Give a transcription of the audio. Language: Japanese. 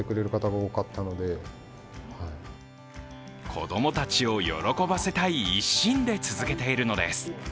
子供たちを喜ばせたい一心で続けているのです。